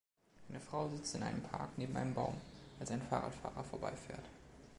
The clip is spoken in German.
eine Frau sitzt in einem Park neben einem Baum, als ein Fahrradfahrer vorbei fährt